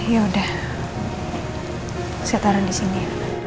ya udah saya taruh di sini